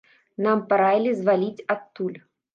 Нам параілі зваліць адтуль.